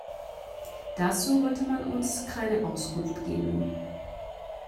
Dazu wollte man uns keine Auskunft geben.